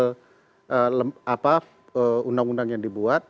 untuk membuat undang undang yang dibuat